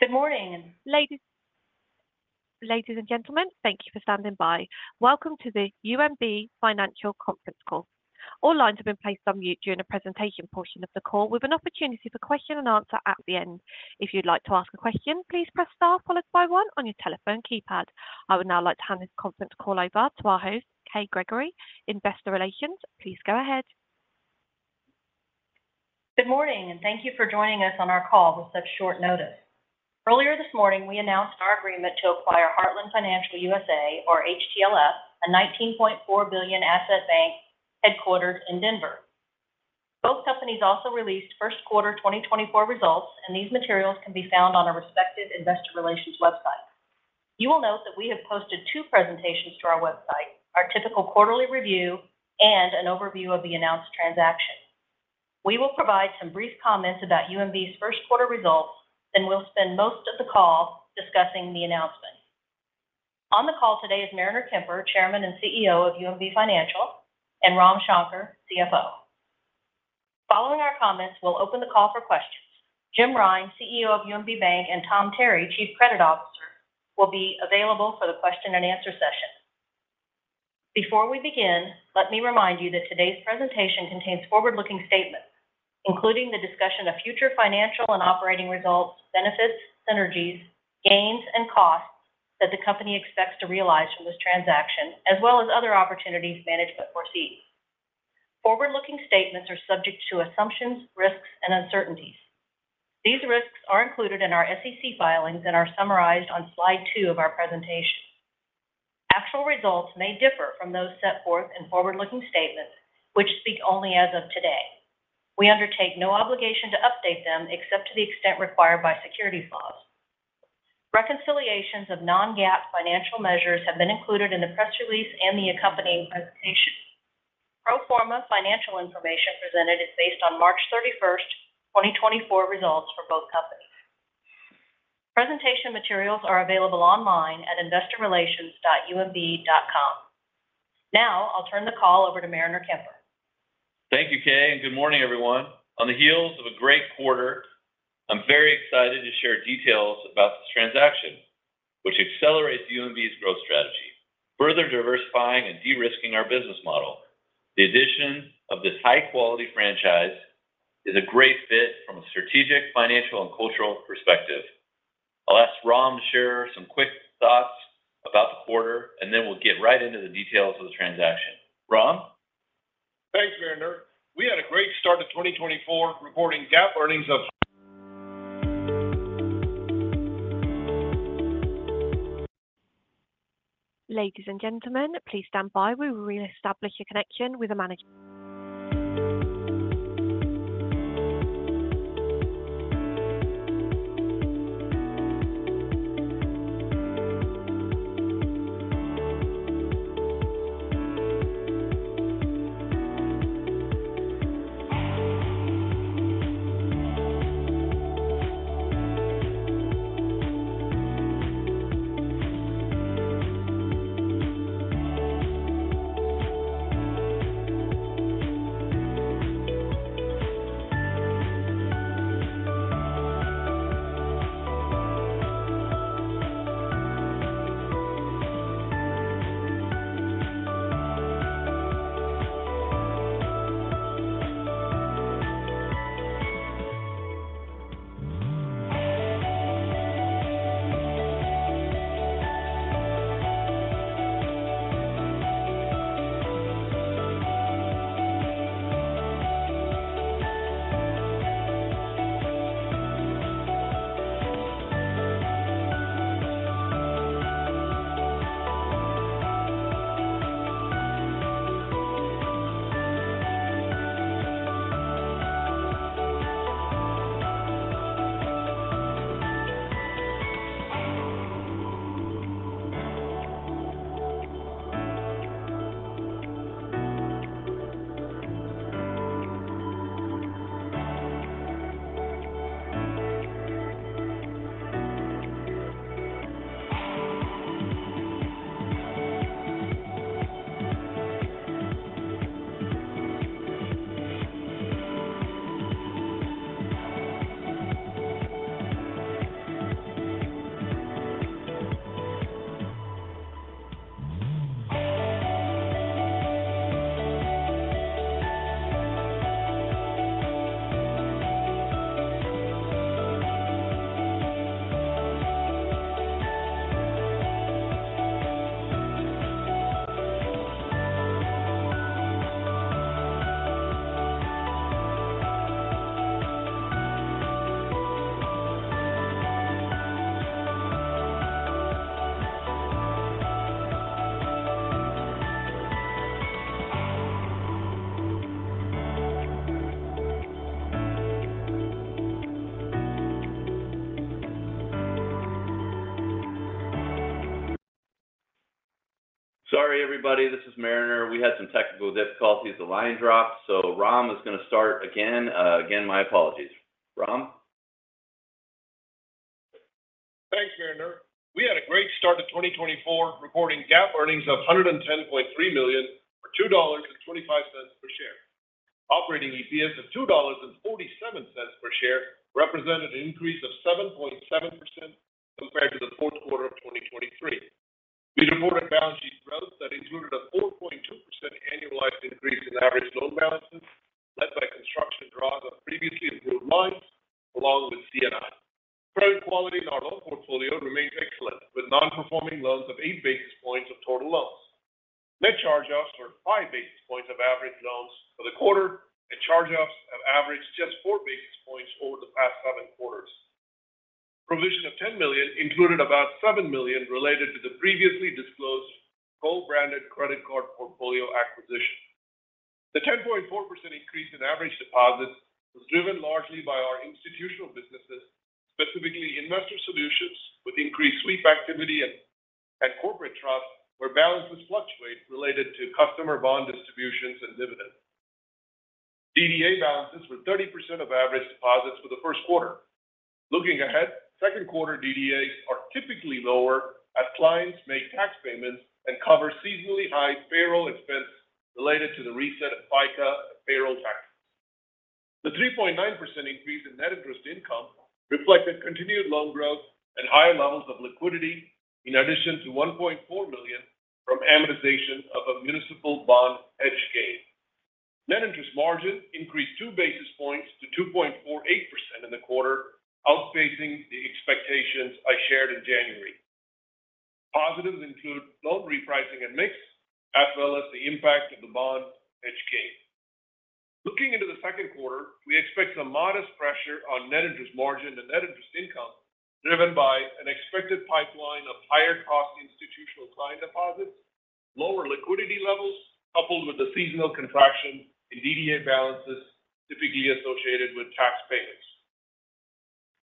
Good morning. Ladies and gentlemen, thank you for standing by. Welcome to the UMB Financial Conference Call. All lines have been placed on mute during the presentation portion of the call, with an opportunity for question and answer at the end. If you'd like to ask a question, please press star followed by 1 on your telephone keypad. I would now like to hand this conference call over to our host, Kay Gregory, Investor Relations. Please go ahead. Good morning, and thank you for joining us on our call with such short notice. Earlier this morning, we announced our agreement to acquire Heartland Financial USA, or HTLF, a $19.4 billion asset bank headquartered in Denver. Both companies also released Q1 2024 results, and these materials can be found on our respective Investor Relations website. You will note that we have posted two presentations to our website, our typical quarterly review, and an overview of the announced transaction. We will provide some brief comments about UMB's Q1 results, then we'll spend most of the call discussing the announcement. On the call today is Mariner Kemper, Chairman and CEO of UMB Financial, and Ram Shankar, CFO. Following our comments, we'll open the call for questions. Jim Rine, CEO of UMB Bank, and Tom Terry, Chief Credit Officer, will be available for the question and answer session. Before we begin, let me remind you that today's presentation contains forward-looking statements, including the discussion of future financial and operating results, benefits, synergies, gains, and costs that the company expects to realize from this transaction, as well as other opportunities management foresees. Forward-looking statements are subject to assumptions, risks, and uncertainties. These risks are included in our SEC filings and are summarized on slide two of our presentation. Actual results may differ from those set forth in forward-looking statements, which speak only as of today. We undertake no obligation to update them except to the extent required by securities laws. Reconciliations of non-GAAP financial measures have been included in the press release and the accompanying presentation. Pro forma financial information presented is based on 31 March, 2024 results for both companies. Presentation materials are available online at investorrelations.umb.com. Now I'll turn the call over to Mariner Kemper. Thank you, Kay, and good morning, everyone. On the heels of a great quarter, I'm very excited to share details about this transaction, which accelerates UMB's growth strategy, further diversifying and de-risking our business model. The addition of this high-quality franchise is a great fit from a strategic, financial, and cultural perspective. I'll ask Ram to share some quick thoughts about the quarter, and then we'll get right into the details of the transaction. Ram? Thanks, Mariner. We had a great start to 2024, reporting GAAP earnings of. Ladies and gentlemen, please stand by. We will re-establish a connection with a manager. Sorry, everybody. This is Mariner. We had some technical difficulties. The line dropped, so Ram is going to start again. Again, my apologies. Ram? Thanks, Mariner. We had a great start to 2024, reporting GAAP earnings of $110.3 million or $2.25 per share. Operating EPS of $2.47 per share represented an increase of 7.7% compared to the Q4 of 2023. We reported balance sheet growth that included a 4.2% annualized increase in average loan balances, led by construction draws of previously approved lines along with C&I. Credit quality in our loan portfolio remains excellent, with non-performing loans of 8 basis points of total loans. Net charge-offs were 5 basis points of average loans for the quarter, and charge-offs have averaged just 4 basis points over the past seven quarters. Provision of $10 million included about $7 million related to the previously disclosed co-branded credit card portfolio acquisition. The 10.4% increase in average deposits was driven largely by our institutional businesses, specifically Investor Solutions with increased sweep activity and Corporate Trust, where balances fluctuate related to customer bond distributions and dividends. DDA balances were 30% of average deposits for the Q1. Looking ahead, Q2 DDAs are typically lower as clients make tax payments and cover seasonally high payroll expense related to the reset of FICA payroll taxes. The 3.9% increase in net interest income reflected continued loan growth and higher levels of liquidity, in addition to $1.4 million from amortization of a municipal bond hedge gain. Net interest margin increased 2 basis points to 2.48% in the quarter, outpacing the expectations I shared in January. Positives include loan repricing and mix, as well as the impact of the bond hedge gain. Looking into the Q2, we expect some modest pressure on net interest margin and net interest income, driven by an expected pipeline of higher-cost institutional client deposits, lower liquidity levels coupled with the seasonal contraction in DDA balances typically associated with tax payments.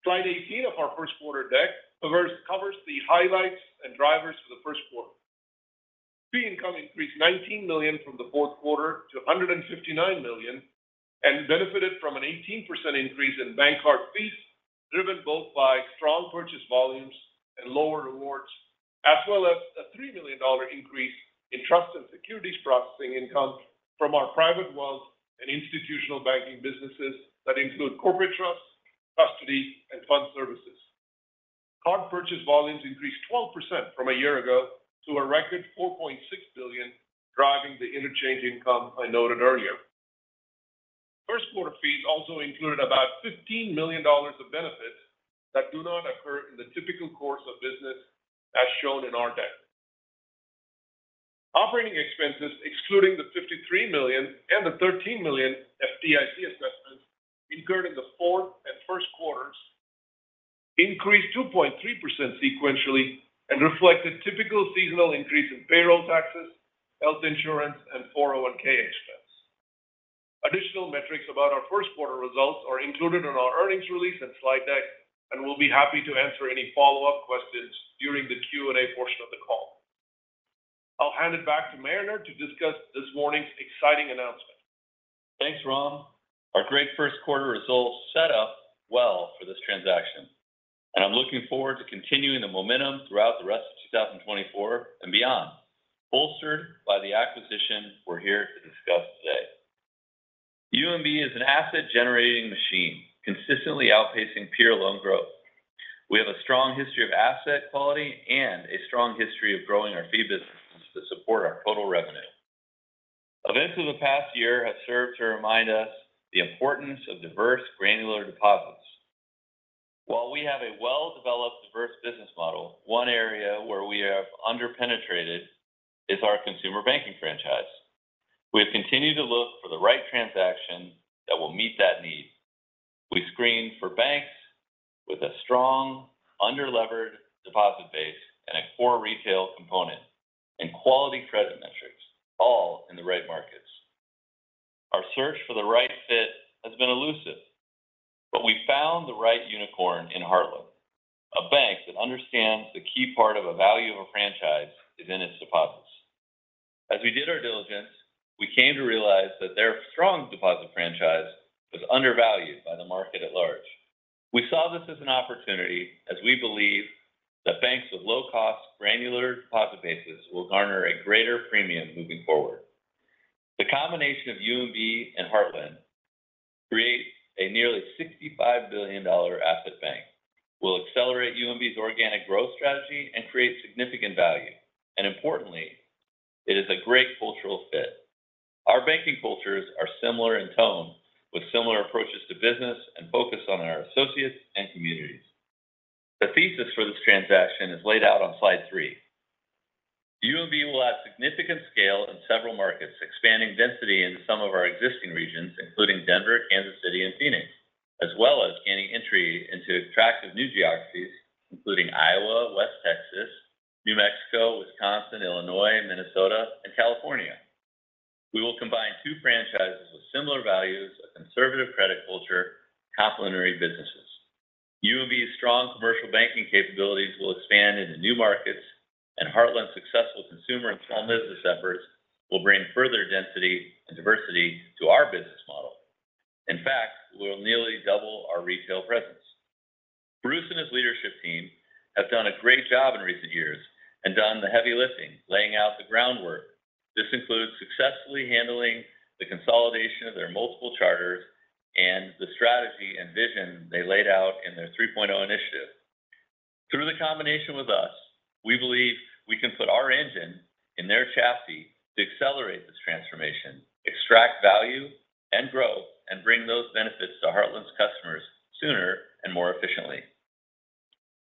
Slide 18 of our Q1 deck covers the highlights and drivers for the Q1. Fee income increased $19 million from the Q4 to $159 million and benefited from an 18% increase in bank card fees, driven both by strong purchase volumes and lower rewards, as well as a $3 million increase in trust and securities processing income from our Private Wealth and Institutional Banking businesses that include corporate trusts, custody, and Fund Services. Card purchase volumes increased 12% from a year ago to a record 4.6 billion, driving the interchange income I noted earlier. Q1 fees also included about $15 million of benefits that do not occur in the typical course of business as shown in our deck. Operating expenses, excluding the $53 million and the $13 million FDIC assessments incurred in the Q4 and Q1, increased 2.3% sequentially and reflected typical seasonal increase in payroll taxes, health insurance, and 401(k) expenses. Additional metrics about our Q1 results are included on our earnings release and slide deck, and we'll be happy to answer any follow-up questions during the Q&A portion of the call. I'll hand it back to Mariner to discuss this morning's exciting announcement. Thanks, Ram. Our great Q1 results set up well for this transaction, and I'm looking forward to continuing the momentum throughout the rest of 2024 and beyond, bolstered by the acquisition we're here to discuss today. UMB is an asset-generating machine, consistently outpacing peer loan growth. We have a strong history of asset quality and a strong history of growing our fee businesses to support our total revenue. Events of the past year have served to remind us the importance of diverse, granular deposits. While we have a well-developed, diverse business model, one area where we have underpenetrated is our consumer banking franchise. We have continued to look for the right transaction that will meet that need. We screened for banks with a strong, underlevered deposit base and a core retail component, and quality credit metrics, all in the right markets. Our search for the right fit has been elusive, but we found the right unicorn in Heartland, a bank that understands the key part of the value of a franchise is in its deposits. As we did our diligence, we came to realize that their strong deposit franchise was undervalued by the market at large. We saw this as an opportunity as we believe that banks with low-cost, granular deposit bases will garner a greater premium moving forward. The combination of UMB and Heartland creates a nearly $65 billion asset bank, will accelerate UMB's organic growth strategy and create significant value, and importantly, it is a great cultural fit. Our banking cultures are similar in tone, with similar approaches to business and focus on our associates and communities. The thesis for this transaction is laid out on slide 3. UMB will add significant scale in several markets, expanding density into some of our existing regions, including Denver, Kansas City, and Phoenix, as well as gaining entry into attractive new geographies, including Iowa, West Texas, New Mexico, Wisconsin, Illinois, Minnesota, and California. We will combine two franchises with similar values, a conservative credit culture, and complementary businesses. UMB's strong commercial banking capabilities will expand into new markets, and Heartland's successful consumer and small business efforts will bring further density and diversity to our business model. In fact, we'll nearly double our retail presence. Bruce and his leadership team have done a great job in recent years and done the heavy lifting, laying out the groundwork. This includes successfully handling the consolidation of their multiple charters and the strategy and vision they laid out in their 3.0 initiative. Through the combination with us, we believe we can put our engine in their chassis to accelerate this transformation, extract value and growth, and bring those benefits to Heartland's customers sooner and more efficiently.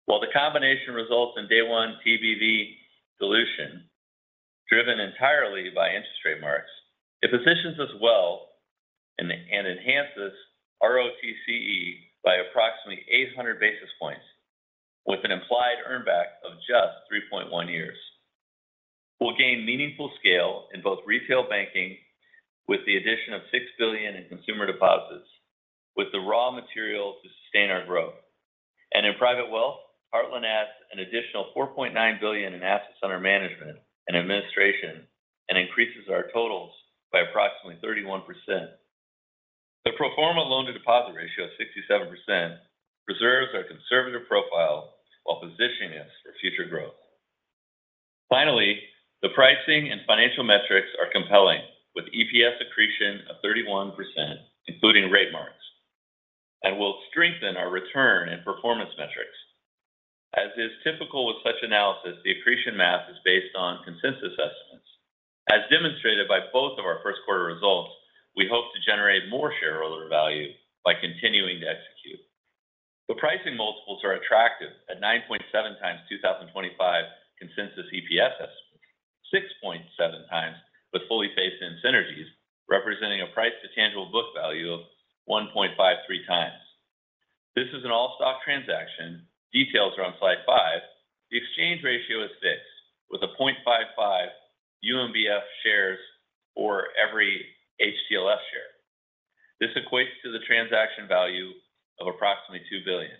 While the combination results in day one TBV dilution, driven entirely by interest rate marks, it positions us well and enhances ROTCE by approximately 800 basis points, with an implied earnback of just 3.1 years. We'll gain meaningful scale in both retail banking with the addition of $6 billion in consumer deposits, with the raw material to sustain our growth. In private wealth, Heartland adds an additional $4.9 billion in assets under management and administration and increases our totals by approximately 31%. Their pro forma loan-to-deposit ratio of 67% preserves our conservative profile while positioning us for future growth. Finally, the pricing and financial metrics are compelling, with EPS accretion of 31%, including rate marks, and will strengthen our return and performance metrics. As is typical with such analysis, the accretion math is based on consensus estimates. As demonstrated by both of our Q1 results, we hope to generate more shareholder value by continuing to execute. The pricing multiples are attractive at 9.7x 2025 consensus EPS estimates, 6.7x with fully phased-in synergies, representing a price-to-tangible book value of 1.53x. This is an all-stock transaction. Details are on slide 5. The exchange ratio is fixed with a 0.55 UMBF shares for every HTLF share. This equates to the transaction value of approximately $2 billion.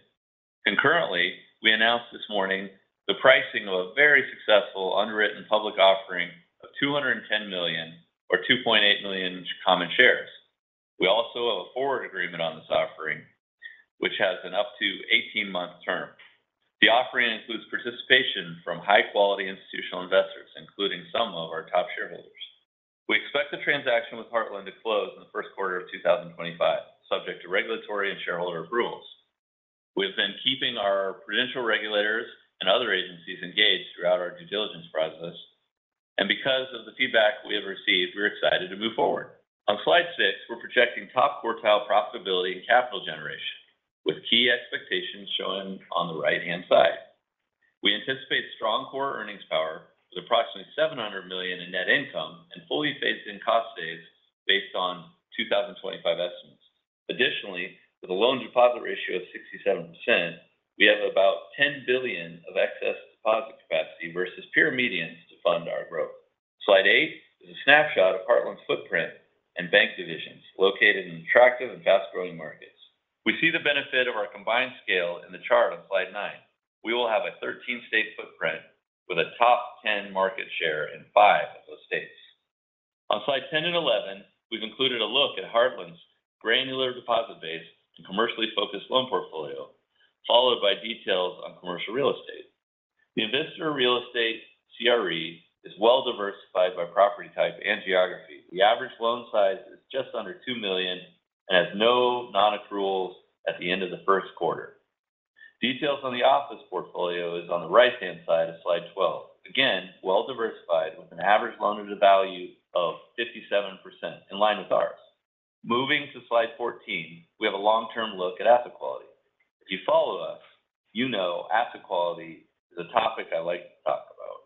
Concurrently, we announced this morning the pricing of a very successful underwritten public offering of 210 million or 2.8 million common shares. We also have a forward agreement on this offering, which has an up to 18-month term. The offering includes participation from high-quality institutional investors, including some of our top shareholders. We expect the transaction with Heartland to close in the Q1 of 2025, subject to regulatory and shareholder approvals. We have been keeping our prudential regulators and other agencies engaged throughout our due diligence process, and because of the feedback we have received, we're excited to move forward. On slide 6, we're projecting top quartile profitability and capital generation, with key expectations shown on the right-hand side. We anticipate strong core earnings power with approximately $700 million in net income and fully phased-in cost saves based on 2025 estimates. Additionally, with a loan-to-deposit ratio of 67%, we have about $10 billion of excess deposit capacity versus peer medians to fund our growth. Slide 8 is a snapshot of Heartland's footprint and bank divisions located in attractive and fast-growing markets. We see the benefit of our combined scale in the chart on slide 9. We will have a 13-state footprint with a top 10 market share in 5 of those states. On slide 10 and 11, we've included a look at Heartland's granular deposit base and commercially focused loan portfolio, followed by details on commercial real estate. The Investor Real Estate CRE is well-diversified by property type and geography. The average loan size is just under $2 million and has no non-accruals at the end of the Q1. Details on the office portfolio are on the right-hand side of slide 12, again well-diversified with an average loan-to-value of 57% in line with ours. Moving to slide 14, we have a long-term look at asset quality. If you follow us, you know asset quality is a topic I like to talk about.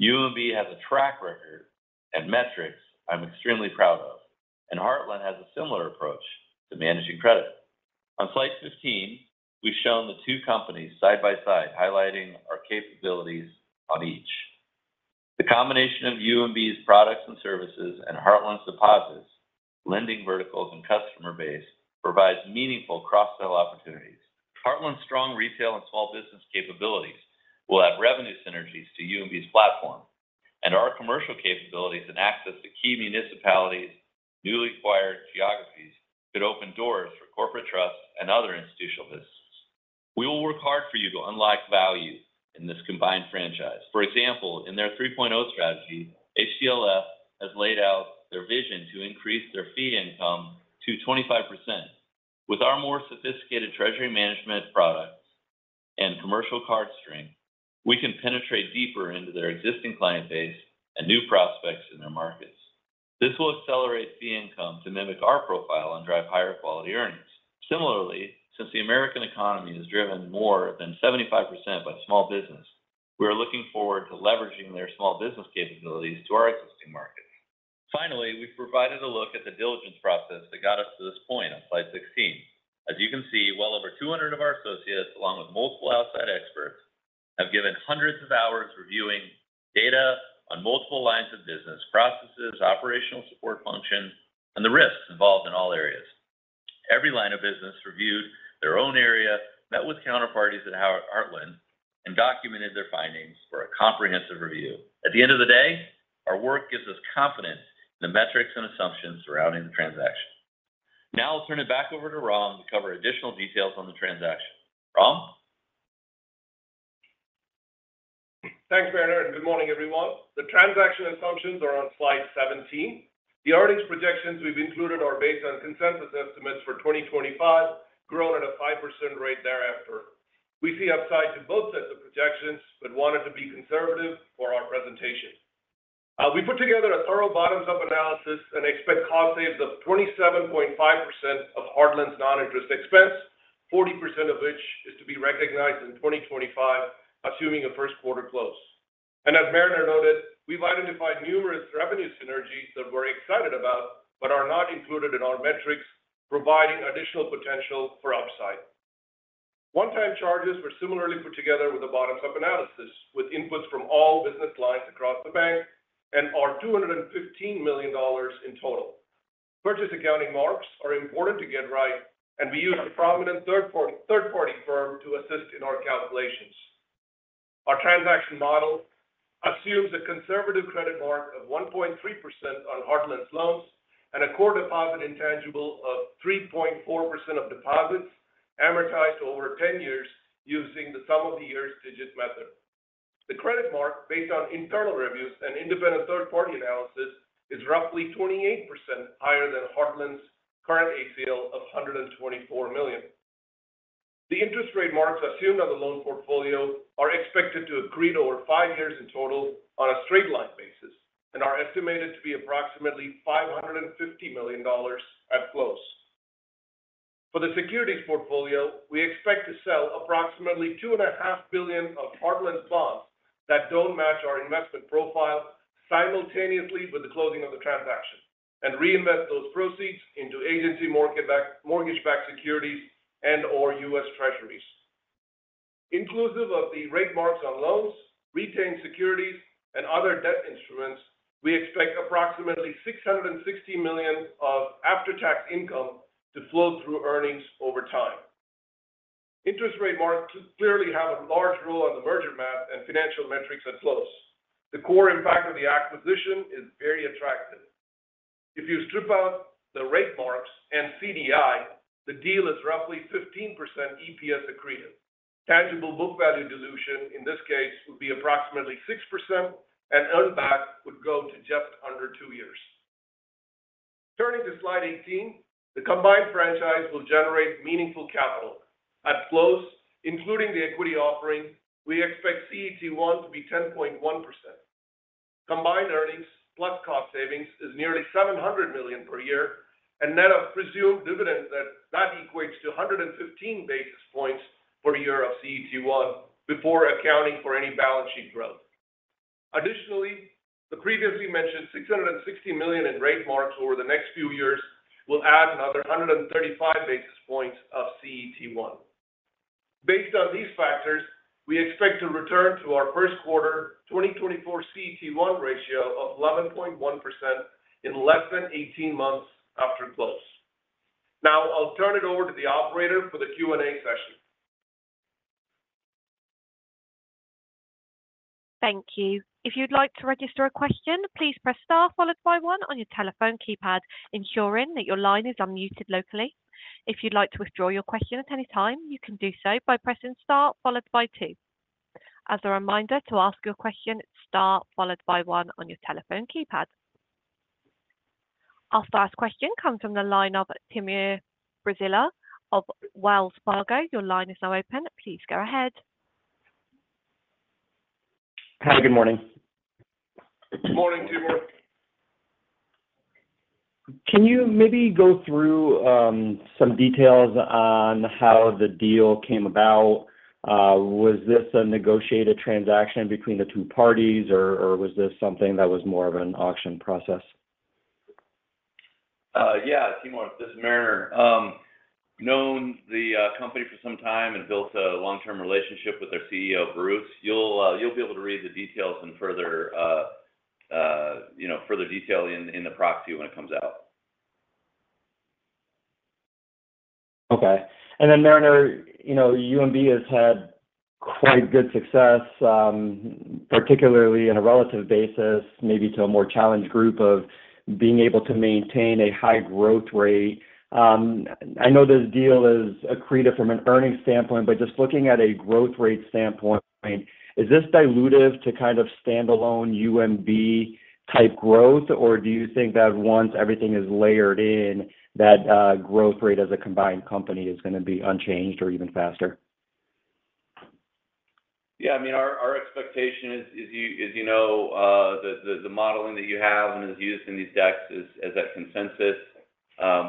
UMB has a track record and metrics I'm extremely proud of, and Heartland has a similar approach to managing credit. On slide 15, we've shown the two companies side by side, highlighting our capabilities on each. The combination of UMB's products and services and Heartland's deposits, lending verticals, and customer base provides meaningful cross-sell opportunities. Heartland's strong retail and small business capabilities will add revenue synergies to UMB's platform, and our commercial capabilities and access to key municipalities and newly acquired geographies could open doors for corporate trusts and other institutional businesses. We will work hard for you to unlock value in this combined franchise. For example, in their 3.0 strategy, HTLF has laid out their vision to increase their fee income to 25%. With our more sophisticated treasury management products and commercial card strength, we can penetrate deeper into their existing client base and new prospects in their markets. This will accelerate fee income to mimic our profile and drive higher quality earnings. Similarly, since the American economy is driven more than 75% by small business, we are looking forward to leveraging their small business capabilities to our existing markets. Finally, we've provided a look at the diligence process that got us to this point on slide 16. As you can see, well over 200 of our associates, along with multiple outside experts, have given hundreds of hours reviewing data on multiple lines of business, processes, operational support functions, and the risks involved in all areas. Every line of business reviewed their own area, met with counterparties at Heartland, and documented their findings for a comprehensive review. At the end of the day, our work gives us confidence in the metrics and assumptions surrounding the transaction. Now I'll turn it back over to Ram to cover additional details on the transaction. Ram? Thanks, Mariner, and good morning, everyone. The transaction assumptions are on slide 17. The earnings projections we've included are based on consensus estimates for 2025, grown at a 5% rate thereafter. We see upside to both sets of projections, but wanted to be conservative for our presentation. We put together a thorough bottoms-up analysis and expect cost saves of 27.5% of Heartland's non-interest expense, 40% of which is to be recognized in 2025, assuming a Q1 close. As Mariner noted, we've identified numerous revenue synergies that we're excited about but are not included in our metrics, providing additional potential for upside. One-time charges were similarly put together with a bottoms-up analysis, with inputs from all business lines across the bank and our $215 million in total. Purchase accounting marks are important to get right, and we use a prominent third-party firm to assist in our calculations. Our transaction model assumes a conservative credit mark of 1.3% on Heartland's loans and a core deposit intangible of 3.4% of deposits amortized over 10 years using the sum-of-the-years-digits method. The credit mark, based on internal reviews and independent third-party analysis, is roughly 28% higher than Heartland's current ACL of $124 million. The interest rate marks assumed on the loan portfolio are expected to accrete over five years in total on a straight-line basis and are estimated to be approximately $550 million at close. For the securities portfolio, we expect to sell approximately $2.5 billion of Heartland's bonds that don't match our investment profile simultaneously with the closing of the transaction and reinvest those proceeds into agency mortgage-backed securities and/or U.S. Treasuries. Inclusive of the rate marks on loans, retained securities, and other debt instruments, we expect approximately $660 million of after-tax income to flow through earnings over time. Interest rate marks clearly have a large role on the merger map and financial metrics at close. The core impact of the acquisition is very attractive. If you strip out the rate marks and CDI, the deal is roughly 15% EPS accreted. Tangible book value dilution, in this case, would be approximately 6%, and earnback would go to just under two years. Turning to slide 18, the combined franchise will generate meaningful capital. At close, including the equity offering, we expect CET1 to be 10.1%. Combined earnings plus cost savings is nearly $700 million per year, and net of presumed dividends, that equates to 115 basis points per year of CET1 before accounting for any balance sheet growth. Additionally, the previously mentioned $660 million in rate marks over the next few years will add another 135 basis points of CET1. Based on these factors, we expect to return to our Q1 2024 CET1 ratio of 11.1% in less than 18 months after close. Now I'll turn it over to the operator for the Q&A session. Thank you. If you'd like to register a question, please press star followed by 1 on your telephone keypad, ensuring that your line is unmuted locally. If you'd like to withdraw your question at any time, you can do so by pressing star followed by 2. As a reminder, to ask your question, it's star followed by 1 on your telephone keypad. Our first question comes from the line of Timur Braziler of Wells Fargo. Your line is now open. Please go ahead. Hi. Good morning. Good morning, Timur. Can you maybe go through some details on how the deal came about? Was this a negotiated transaction between the two parties, or was this something that was more of an auction process? Yeah, Timur. This is Mariner. Known the company for some time and built a long-term relationship with their CEO, Bruce. You'll be able to read the details in further detail in the proxy when it comes out. Okay. And then, Mariner, UMB has had quite good success, particularly on a relative basis, maybe to a more challenged group of being able to maintain a high growth rate. I know this deal is accretive from an earnings standpoint, but just looking at a growth rate standpoint, is this dilutive to kind of standalone UMB-type growth, or do you think that once everything is layered in, that growth rate as a combined company is going to be unchanged or even faster? Yeah. I mean, our expectation is, as you know, the modeling that you have and is used in these decks is that consensus.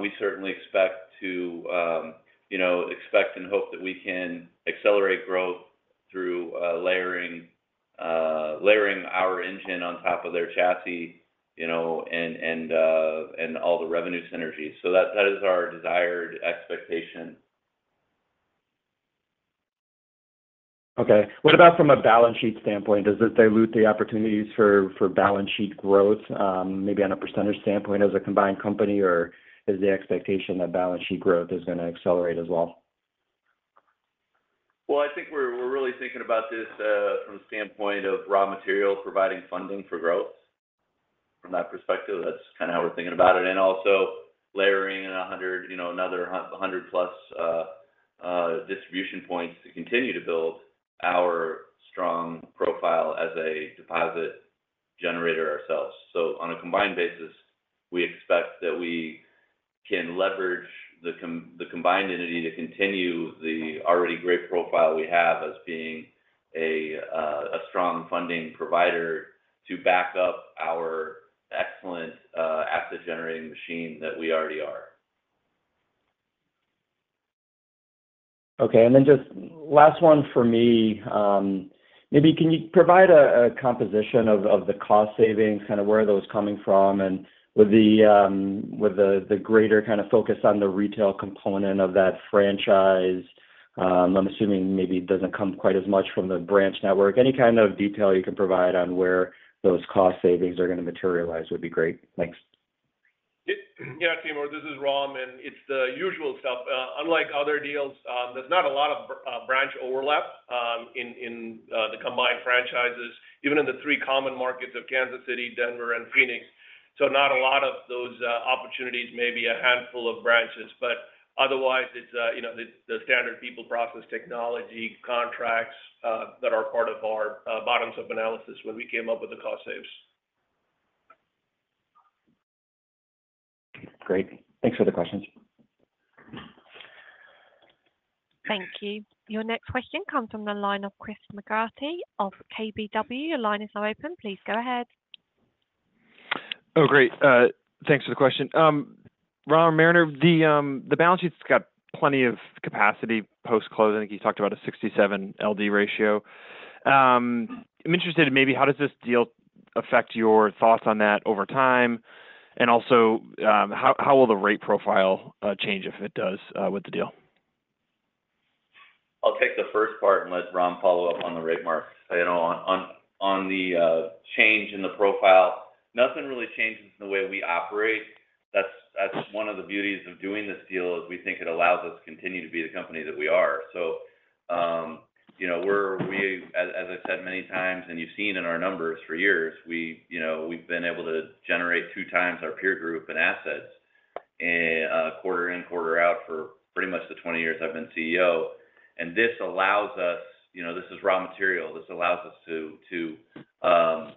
We certainly expect to expect and hope that we can accelerate growth through layering our engine on top of their chassis and all the revenue synergies. So that is our desired expectation. Okay. What about from a balance sheet standpoint? Does it dilute the opportunities for balance sheet growth, maybe on a percentage standpoint as a combined company, or is the expectation that balance sheet growth is going to accelerate as well? Well, I think we're really thinking about this from the standpoint of raw materials providing funding for growth. From that perspective, that's kind of how we're thinking about it. And also layering in another 100+ distribution points to continue to build our strong profile as a deposit generator ourselves. So on a combined basis, we expect that we can leverage the combined entity to continue the already great profile we have as being a strong funding provider to back up our excellent asset-generating machine that we already are. Okay. And then just last one for me. Maybe can you provide a composition of the cost savings, kind of where are those coming from, and with the greater kind of focus on the retail component of that franchise, I'm assuming maybe it doesn't come quite as much from the branch network. Any kind of detail you can provide on where those cost savings are going to materialize would be great. Thanks. Yeah, Timur. This is Ram, and it's the usual stuff. Unlike other deals, there's not a lot of branch overlap in the combined franchises, even in the three common markets of Kansas City, Denver, and Phoenix. So not a lot of those opportunities, maybe a handful of branches. But otherwise, it's the standard people process technology contracts that are part of our bottoms-up analysis when we came up with the cost saves. Great. Thanks for the questions. Thank you. Your next question comes from the line of Chris McGratty of KBW. Your line is now open. Please go ahead. Oh, great. Thanks for the question. Ram, Mariner, the balance sheet's got plenty of capacity post-close. I think you talked about a 67 LD ratio. I'm interested in maybe how does this deal affect your thoughts on that over time, and also how will the rate profile change if it does with the deal? I'll take the first part and let Ram follow up on the rate marks. On the change in the profile, nothing really changes in the way we operate. That's one of the beauties of doing this deal, is we think it allows us to continue to be the company that we are. So as I've said many times, and you've seen in our numbers for years, we've been able to generate two times our peer group in assets quarter in, quarter out for pretty much the 20 years I've been CEO. And this allows us this is raw material. This allows us to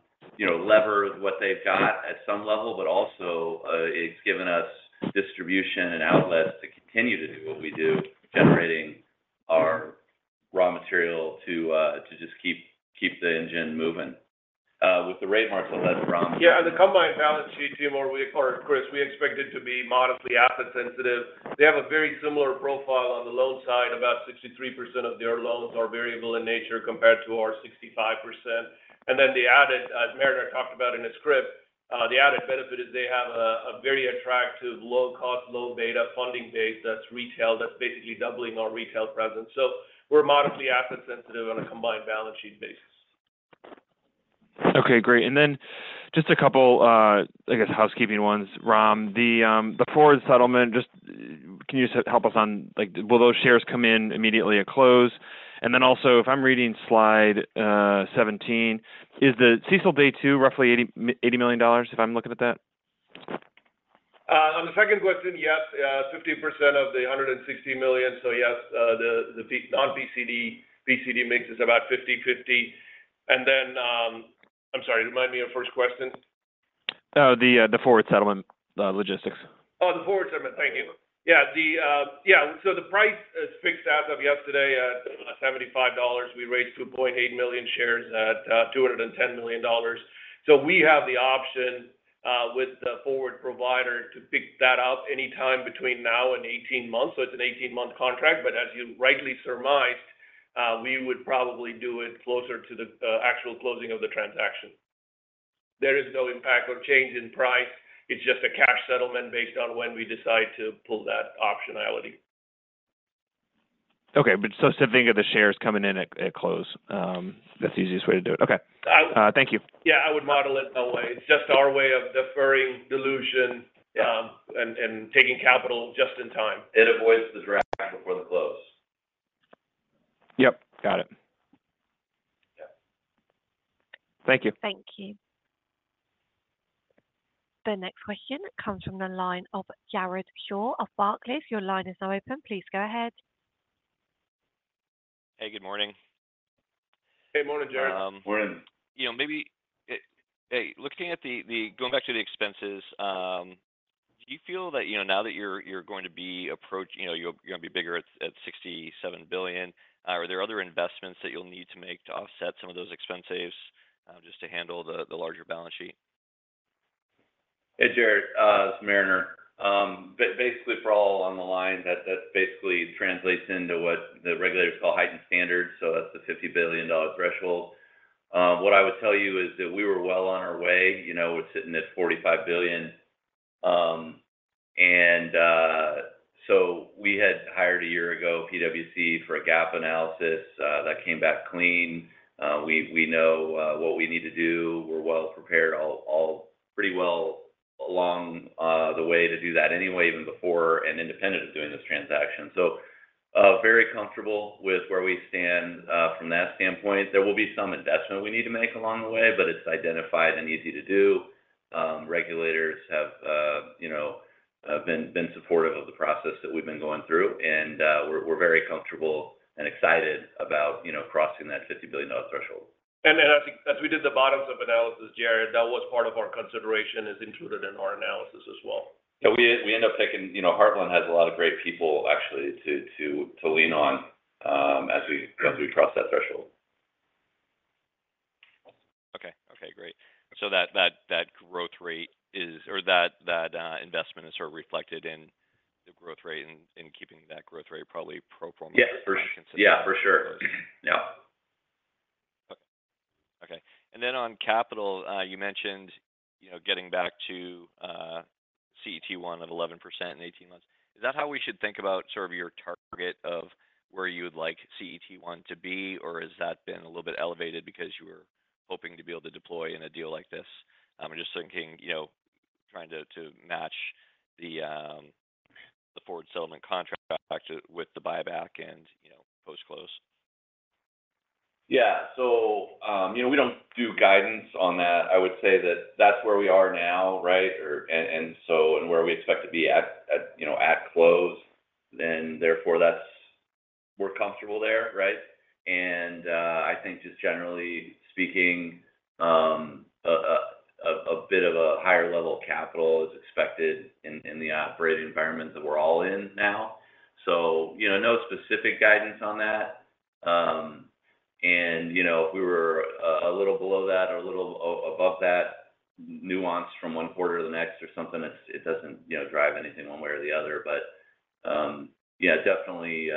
lever what they've got at some level, but also it's given us distribution and outlets to continue to do what we do, generating our raw material to just keep the engine moving. With the rate marks, I'll let Ram. Yeah. On the combined balance sheet, Timur or Chris, we expect it to be modestly asset-sensitive. They have a very similar profile on the loan side. About 63% of their loans are variable in nature compared to our 65%. Then the added as Mariner talked about in his script, the added benefit is they have a very attractive, low-cost, low-beta funding base that's retail. That's basically doubling our retail presence. So we're modestly asset-sensitive on a combined balance sheet basis. Okay. Great. And then just a couple, I guess, housekeeping ones. Ram, before the settlement, can you just help us on will those shares come in immediately at close? And then also, if I'm reading slide 17, is the CECL Day 2 roughly $80 million, if I'm looking at that? On the second question, yes, 15% of the $160 million. So yes, the non-PCD mix is about 50/50. And then I'm sorry. Remind me of your first question. Oh, the forward settlement logistics. Oh, the forward settlement. Thank you. Yeah. Yeah. So the price is fixed as of yesterday at $75. We raised 2.8 million shares at $210 million. So we have the option with the forward provider to pick that up anytime between now and 18 months. So it's an 18-month contract. But as you rightly surmised, we would probably do it closer to the actual closing of the transaction. There is no impact or change in price. It's just a cash settlement based on when we decide to pull that optionality. Okay. So think of the shares coming in at close. That's the easiest way to do it. Okay. Thank you. Yeah. I would model it that way. It's just our way of deferring dilution and taking capital just in time. It avoids the draft before the close. Yep. Got it. Thank you. Thank you. The next question comes from the line of Jared Shaw of Barclays. Your line is now open. Please go ahead. Hey. Good morning. Hey. Morning, Jared. Morning. Maybe looking at the going back to the expenses, do you feel that now that you're going to be approaching you're going to be bigger at $67 billion, are there other investments that you'll need to make to offset some of those expense saves just to handle the larger balance sheet? Hey, Jared. It's Mariner. Basically, for all on the line, that basically translates into what the regulators call heightened standards. So that's the $50 billion threshold. What I would tell you is that we were well on our way. We're sitting at $45 billion. And so we had hired a year ago PwC for a gap analysis. That came back clean. We know what we need to do. We're well prepared. All pretty well along the way to do that anyway, even before and independent of doing this transaction. So very comfortable with where we stand from that standpoint. There will be some investment we need to make along the way, but it's identified and easy to do. Regulators have been supportive of the process that we've been going through, and we're very comfortable and excited about crossing that $50 billion threshold. As we did the bottoms-up analysis, Jared, that was part of our consideration, is included in our analysis as well. Yeah. We end up picking Heartland has a lot of great people, actually, to lean on as we cross that threshold. Okay. Okay. Great. So that growth rate is or that investment is sort of reflected in the growth rate and keeping that growth rate probably pro-performance considered after close. Yeah. For sure. Yeah. Okay. Okay. And then on capital, you mentioned getting back to CET1 at 11% in 18 months. Is that how we should think about sort of your target of where you would like CET1 to be, or has that been a little bit elevated because you were hoping to be able to deploy in a deal like this? I'm just thinking, trying to match the forward settlement contract with the buyback and post-close. Yeah. So we don't do guidance on that. I would say that that's where we are now, right, and where we expect to be at close. And therefore, we're comfortable there, right? And I think just generally speaking, a bit of a higher level of capital is expected in the operating environment that we're all in now. So no specific guidance on that. And if we were a little below that or a little above that nuance from one quarter to the next or something, it doesn't drive anything one way or the other. But yeah, definitely,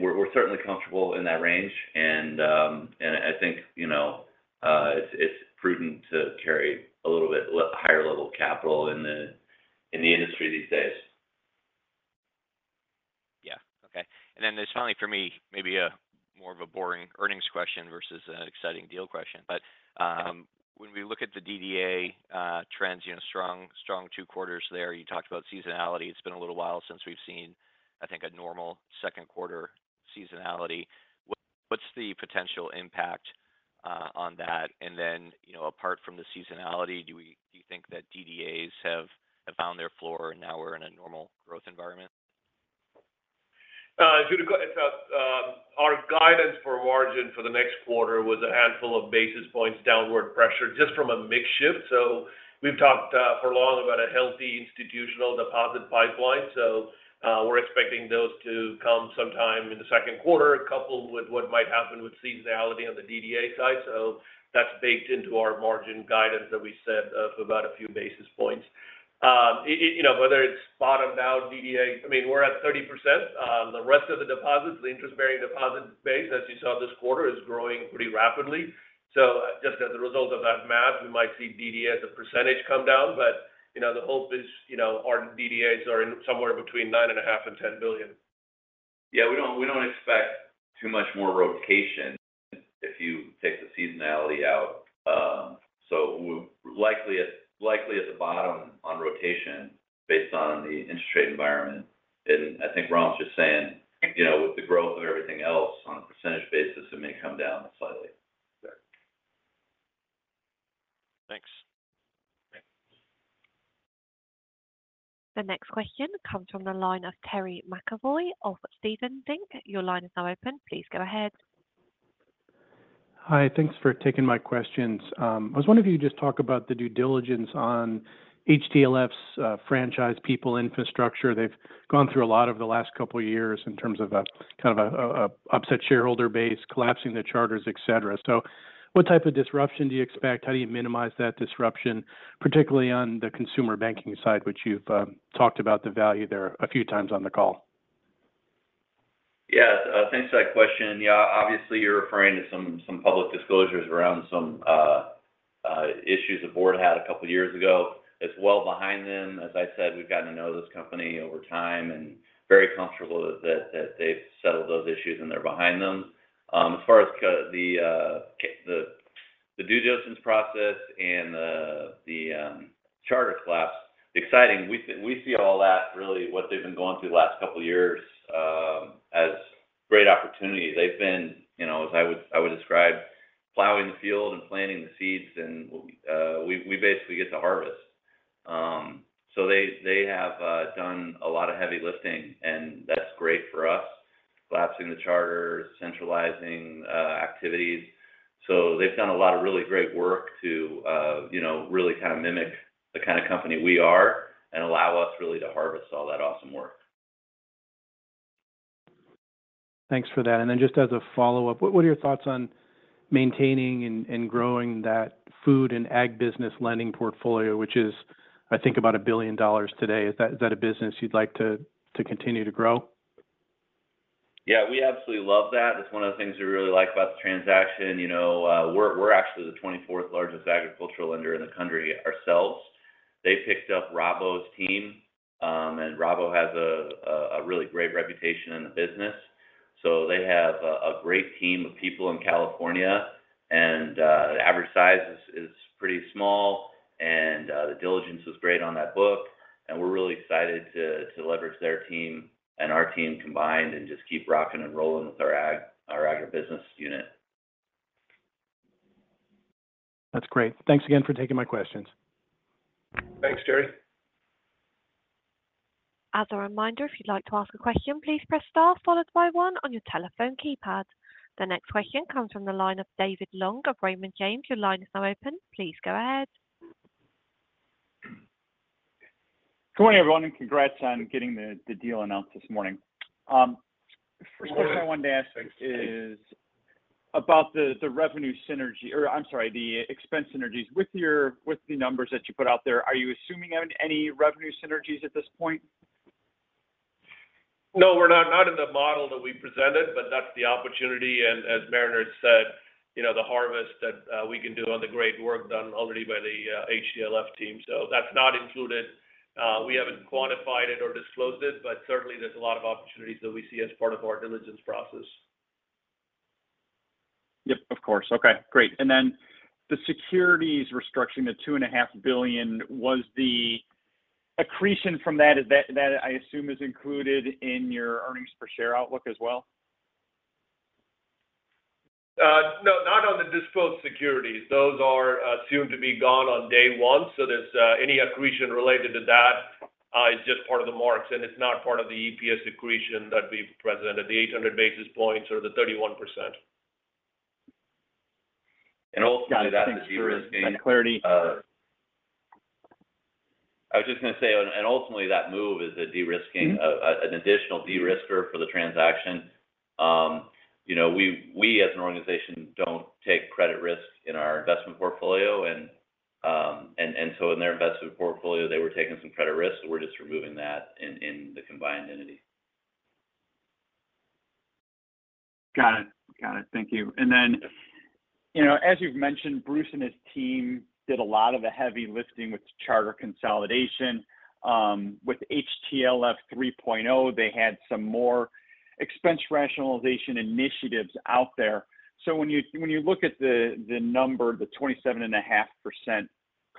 we're certainly comfortable in that range, and I think it's prudent to carry a little bit higher level of capital in the industry these days. Yeah. Okay. And then it's finally for me, maybe more of a boring earnings question versus an exciting deal question. But when we look at the DDA trends, strong two quarters there. You talked about seasonality. It's been a little while since we've seen, I think, a normal Q2 seasonality. What's the potential impact on that? And then apart from the seasonality, do you think that DDAs have found their floor and now we're in a normal growth environment? It's our guidance for margin for the next quarter was a handful of basis points downward pressure just from a mix shift. So we've talked for long about a healthy institutional deposit pipeline. So we're expecting those to come sometime in the Q2, coupled with what might happen with seasonality on the DDA side. So that's baked into our margin guidance that we set of about a few basis points. Whether it's bottomed out DDA I mean, we're at 30%. The rest of the deposits, the interest-bearing deposit base, as you saw this quarter, is growing pretty rapidly. So just as a result of that math, we might see DDA as a percentage come down, but the hope is our DDAs are somewhere between $9.5 billion and $10 billion. Yeah. We don't expect too much more rotation if you take the seasonality out. So likely at the bottom on rotation based on the interest rate environment. And I think Ram's just saying, with the growth of everything else on a percentage basis, it may come down slightly. Thanks. The next question comes from the line of Terry McAvoy of Stephens Inc. Your line is now open. Please go ahead. Hi. Thanks for taking my questions. I was wondering if you could just talk about the due diligence on HTLF's franchise people infrastructure. They've gone through a lot of the last couple of years in terms of kind of an upset shareholder base, collapsing the charters, etc. So what type of disruption do you expect? How do you minimize that disruption, particularly on the consumer banking side, which you've talked about the value there a few times on the call? Yeah. Thanks for that question. Yeah. Obviously, you're referring to some public disclosures around some issues the board had a couple of years ago. It's well behind them. As I said, we've gotten to know this company over time and very comfortable that they've settled those issues and they're behind them. As far as the due diligence process and the charter consolidation, the excitement we see in all that, really, what they've been going through the last couple of years as great opportunities. They've been, as I would describe, plowing the field and planting the seeds, and we basically get to harvest. So they have done a lot of heavy lifting, and that's great for us: collapsing the charters, centralizing activities. So they've done a lot of really great work to really kind of mimic the kind of company we are and allow us really to harvest all that awesome work. Thanks for that. And then just as a follow-up, what are your thoughts on maintaining and growing that food and ag business lending portfolio, which is, I think, about $1 billion today? Is that a business you'd like to continue to grow? Yeah. We absolutely love that. It's one of the things we really like about the transaction. We're actually the 24th largest agricultural lender in the country ourselves. They picked up Rabo's team, and Rabo has a really great reputation in the business. So they have a great team of people in California, and the average size is pretty small, and the diligence was great on that book. And we're really excited to leverage their team and our team combined and just keep rocking and rolling with our Agribusiness unit. That's great. Thanks again for taking my questions. Thanks, Terry. As a reminder, if you'd like to ask a question, please press star followed by one on your telephone keypad. The next question comes from the line of David Long of Raymond James. Your line is now open. Please go ahead. Good morning, everyone, and congrats on getting the deal announced this morning. First question I wanted to ask is about the revenue synergy or I'm sorry, the expense synergies. With the numbers that you put out there, are you assuming any revenue synergies at this point? No, we're not. Not in the model that we presented, but that's the opportunity. And as Mariner said, the harvest that we can do on the great work done already by the HTLF team. So that's not included. We haven't quantified it or disclosed it, but certainly, there's a lot of opportunities that we see as part of our diligence process. Yep. Of course. Okay. Great. And then the securities restructuring, the $2.5 billion, was the accretion from that, I assume, included in your earnings per share outlook as well? No, not on the disposed securities. Those are assumed to be gone on day one. So any accretion related to that is just part of the marks, and it's not part of the EPS accretion that we've presented, the 800 basis points or the 31%. Ultimately, that's a de-risking. I was just going to say, and ultimately, that move is an additional de-risker for the transaction. We, as an organization, don't take credit risk in our investment portfolio. And so in their investment portfolio, they were taking some credit risk, so we're just removing that in the combined entity. Got it. Got it. Thank you. And then as you've mentioned, Bruce and his team did a lot of the heavy lifting with the charter consolidation. With HTLF 3.0, they had some more expense rationalization initiatives out there. So when you look at the number, the 27.5%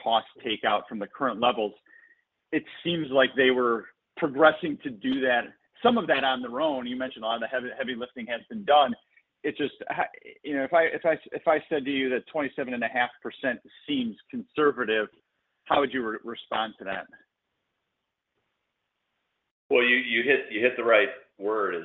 cost takeout from the current levels, it seems like they were progressing to do some of that on their own. You mentioned a lot of the heavy lifting has been done. It's just if I said to you that 27.5% seems conservative, how would you respond to that? Well, you hit the right word.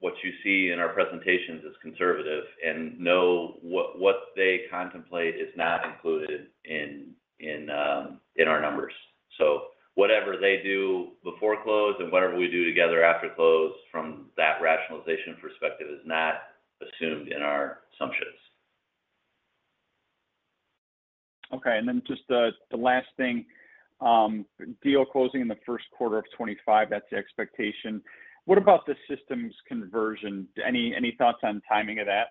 What you see in our presentations is conservative, and no, what they contemplate is not included in our numbers. So whatever they do before close and whatever we do together after close from that rationalization perspective is not assumed in our assumptions. Okay. Then just the last thing, deal closing in the Q1 of 2025, that's the expectation. What about the systems conversion? Any thoughts on timing of that?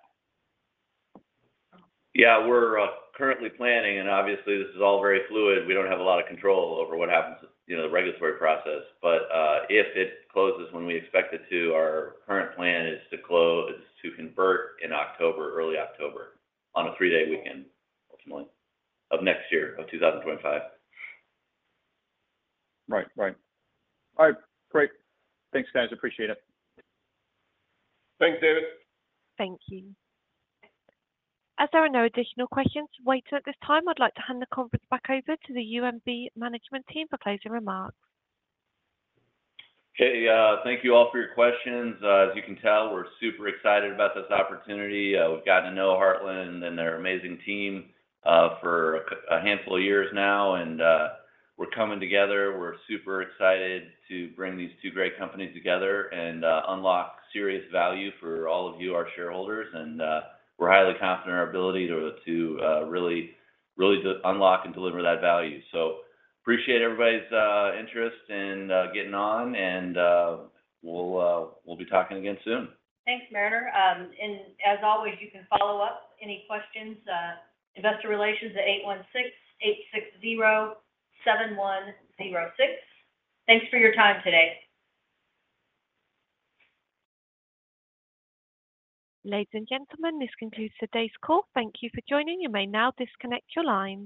Yeah. We're currently planning, and obviously, this is all very fluid. We don't have a lot of control over what happens in the regulatory process. But if it closes when we expect it to, our current plan is to convert in October, early October, on a three-day weekend, ultimately, of next year, of 2025. Right. Right. All right. Great. Thanks, guys. Appreciate it. Thanks, David. Thank you. As there are no additional questions waiting at this time, I'd like to hand the conference back over to the UMB management team for closing remarks. Hey, thank you all for your questions. As you can tell, we're super excited about this opportunity. We've gotten to know Heartland and their amazing team for a handful of years now, and we're coming together. We're super excited to bring these two great companies together and unlock serious value for all of you, our shareholders. We're highly confident in our ability to really unlock and deliver that value. Appreciate everybody's interest in getting on, and we'll be talking again soon. Thanks, Mariner. As always, you can follow up any questions, investor relations, at 816-860-7106. Thanks for your time today. Ladies and gentlemen, this concludes today's call. Thank you for joining. You may now disconnect your line.